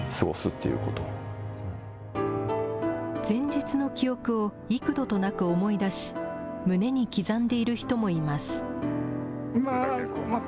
前日の記憶を幾度となく思い出し、胸に刻んでいる人もいます。